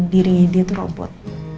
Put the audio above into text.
kalau dirinya dia tuh robot